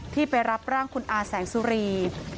ไปรับร่างคุณอาแสงสุรี